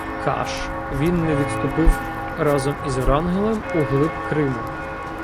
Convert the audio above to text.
каш, він не відступив разом із Врангелем у глиб Криму.